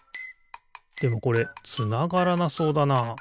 でもこれつながらなそうだな。